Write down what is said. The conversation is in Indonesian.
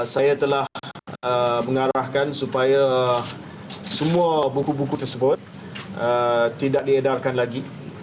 saya telah mengarahkan supaya semua buku buku tersebut tidak diedarkan lagi